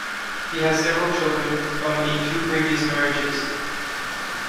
He has several children from a two previous marriages.